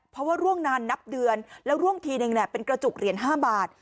เพราะว่าร่วงนานนับเดือนแล้วร่วงทีนึงแหละเป็นกระจุกเหรียญ๕บาท